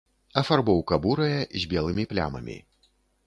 Афарбоўка бурая з белымі плямамі.